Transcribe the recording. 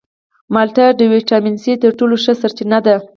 مالټه د ویټامین سي تر ټولو ښه سرچینه ده.